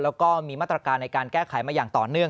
แล้วก็มีมาตรการในการแก้ไขมาอย่างต่อเนื่อง